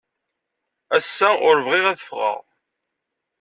Ass-a ur bɣiɣ ad ffɣeɣ.